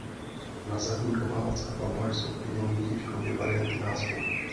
Na zadní obálce alba jsou k vidění již obě varianty názvu.